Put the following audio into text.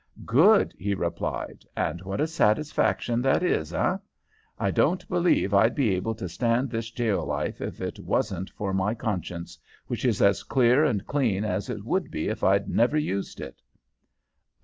"Good!" he replied. "And what a satisfaction that is, eh? I don't believe I'd be able to stand this jail life if it wasn't for my conscience, which is as clear and clean as it would be if I'd never used it."